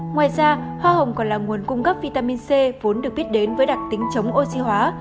ngoài ra hoa hồng còn là nguồn cung cấp vitamin c vốn được biết đến với đặc tính chống oxy hóa